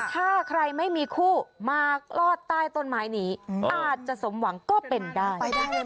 ถ้าใครไม่มีคู่มาลอดใต้ต้นไม้นี้อาจจะสมหวังก็เป็นได้